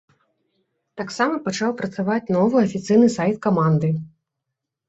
Таксама пачаў працаваць новы афіцыйны сайт каманды.